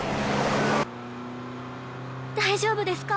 大丈夫ですか？